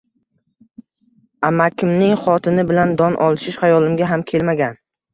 Amakimning xotini bilan don olishish xayolimga ham kelmagan